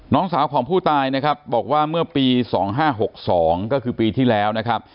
น้องสาวของผู้ตายนะครับบอกว่าเมื่อปี๒๕๖๒ก็คือปีที่แล้วนะครับ